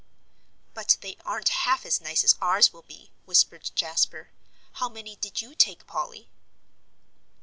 "But they aren't half as nice as ours will be," whispered Jasper; "how many did you take, Polly?"